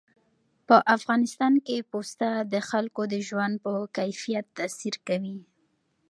په افغانستان کې پسه د خلکو د ژوند په کیفیت تاثیر کوي.